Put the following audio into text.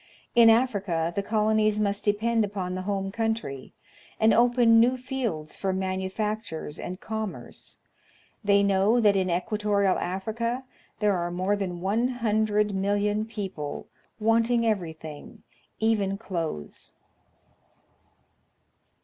In Africa the colonies must depend upon the home country, and open new fields for manufactures and commerce. They know that in equatorial Africa there are more than 100,000,000 people wanting every thing, even clothes.